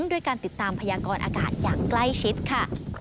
ด้วยการติดตามพยากรอากาศอย่างใกล้ชิดค่ะ